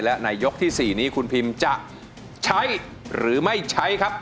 และในยกที่๔นี้คุณพิมจะใช้หรือไม่ใช้ครับ